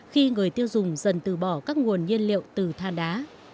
khi người tiêu dùng dần từ bỏ các nguồn nhiên liệu từ than đá